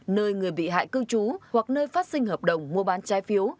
nơi người bị hại cư trú hoặc nơi phát sinh hợp đồng mua bán trái phiếu